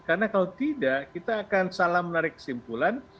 karena kalau tidak kita akan salah menarik kesimpulan